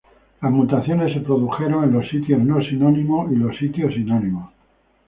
Las mutaciones se produjeron en los sitios no sinónimos y los sitios sinónimos.